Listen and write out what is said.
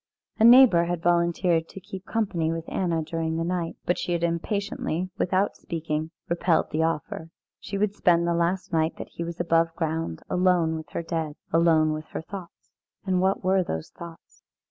A neighbour had volunteered to keep company with Anna during the night, but she had impatiently, without speaking, repelled the offer. She would spend the last night that he was above ground alone with her dead alone with her thoughts. And what were those thoughts?